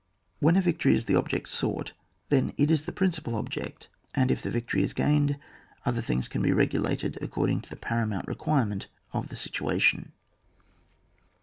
When a victory is the object sought; then it is the principal, object; and if the victory is gained, other things can be regulated according to the paramount requirement of the situation.